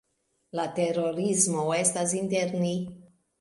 La terorismo estas inter ni.